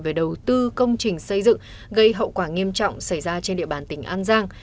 về đầu tư công trình xây dựng gây hậu quả nghiêm trọng xảy ra trên địa bàn tỉnh an giang